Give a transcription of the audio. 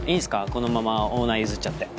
このままオーナー譲っちゃって。